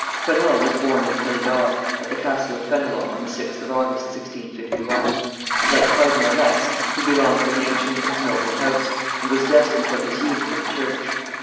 Fenelon was born in Perigord, at the castle of Fenelon, on the 6th of August, 1651. Like Cardinal Retz he belonged to an ancient and noble house, and was destined from his youth for the church.